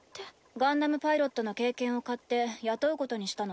ガンダムパイロットの経験を買って雇うことにしたの。